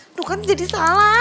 aduh kan jadi salah